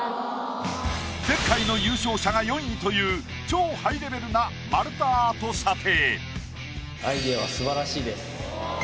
前回の優勝者が４位という超ハイレベルな丸太アート査定。